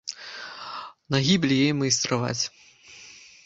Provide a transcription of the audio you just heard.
На гібель яе майстраваць.